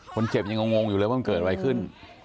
คนเจ็บยังงงอยู่เลยว่ามันเกิดอะไรขึ้น